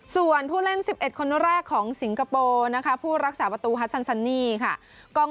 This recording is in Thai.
ส่วนผู้เล่น๑๑คนแรกของสิงคโปร์นะคะผู้รักษาประตูฮัสซันซันนี่ค่ะ